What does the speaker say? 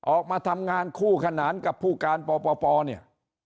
ออกมาทำงานคู่ขนานกับผู้การปปเนี่ย